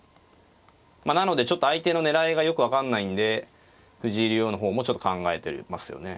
なのでちょっと相手の狙いがよく分かんないんで藤井竜王の方もちょっと考えてますよね。